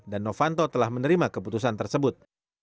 dan novanto telah menerima keputusan tersebut